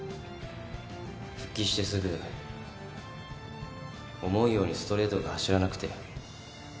復帰してすぐ思うようにストレートが走らなくて。